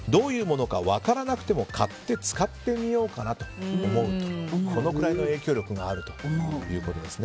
分からなくても買って使ってみようかなと思うと、このくらいの影響力があるということです。